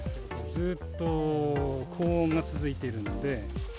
ずっと高温が続いているので。